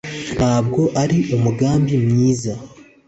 ntabwo ari umugambi mwiza